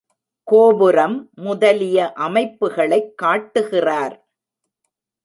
கோபுரம் முதலிய அமைப்புகளைக் காட்டுகிறார்.